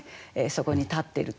そこに立ってる。